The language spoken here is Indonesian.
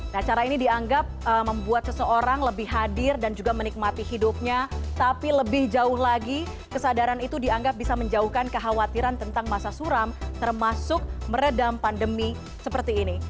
nah cara ini dianggap membuat seseorang lebih hadir dan juga menikmati hidupnya tapi lebih jauh lagi kesadaran itu dianggap bisa menjauhkan kekhawatiran tentang masa suram termasuk meredam pandemi seperti ini